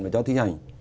và cho thi hành